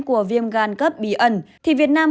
của viêm gan cấp bí ẩn thì việt nam